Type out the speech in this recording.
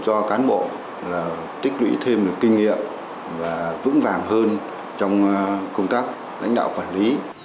cho cán bộ là tích lũy thêm được kinh nghiệm và vững vàng hơn trong công tác lãnh đạo quản lý